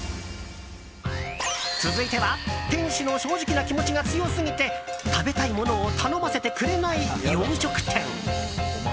続いては店主の正直な気持ちが強すぎて食べたいものを頼ませてくれない洋食店。